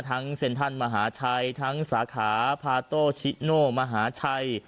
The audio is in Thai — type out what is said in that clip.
เซ็นทรัลมหาชัยทั้งสาขาพาโตชิโน่มหาชัย